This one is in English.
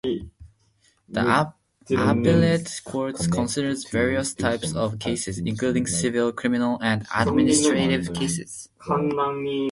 The appellate court considers various types of cases, including civil, criminal, and administrative cases.